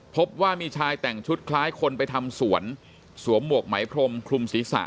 พบว่ามีชายแต่งชุดคล้ายคนไปทำสวนสวมหมวกไหมพรมคลุมศีรษะ